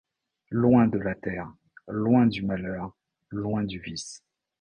Loin de la terre, loin du malheur, loin du vice